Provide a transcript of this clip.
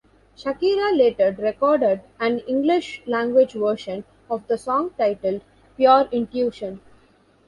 Shakira later recorded an English-language version of the song, titled "Pure Intuition".